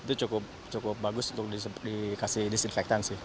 itu cukup bagus untuk dikasih disinfektan sih